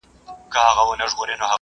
ورځ په ورځ دي شواخون درته ډېرېږی !.